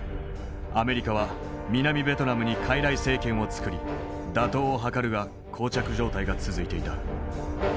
アメリカは南ベトナムに傀儡政権を作り打倒を図るがこう着状態が続いていた。